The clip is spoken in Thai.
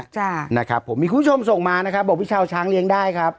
จ้ะนะครับผมมีคุณผู้ชมส่งมานะครับบอกพี่ชาวช้างเลี้ยงได้ครับ